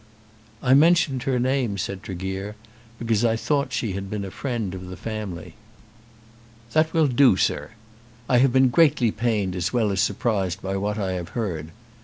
"I mentioned her name," said Tregear, "because I thought she had been a friend of the family." "That will do, sir. I have been greatly pained as well as surprised by what I have heard.